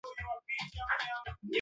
Tayarisha unga wako wa chapati